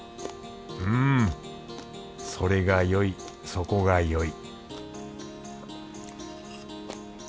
うんそれがよいそこがよい